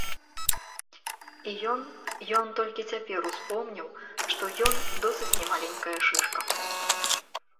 І ён, ён толькі цяпер успомніў, што ён досыць немаленькая шышка.